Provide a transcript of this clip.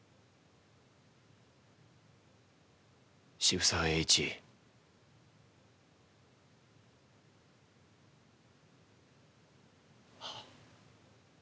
渋沢栄一。ははっ。